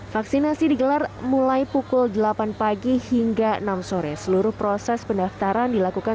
vaksinasi digelar mulai pukul delapan pagi hingga enam sore seluruh proses pendaftaran dilakukan